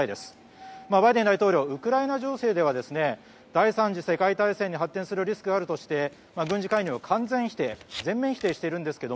大統領ウクライナ情勢では第３次世界大戦に発展するリスクがあるとして軍事介入を完全否定全面否定しているんですが